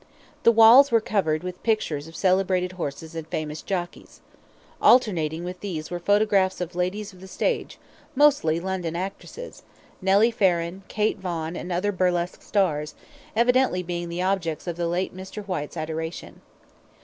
The walls were covered with pictures of celebrated horses and famous jockeys. Alternating with these were photographs of ladies of the stage, mostly London actresses, Nellie Farren, Kate Vaughan, and other burlesque stars, evidently being the objects of the late Mr. Whyte's adoration.